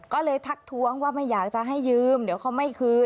ก็เลยทักท้วงว่าไม่อยากจะให้ยืมเดี๋ยวเขาไม่คืน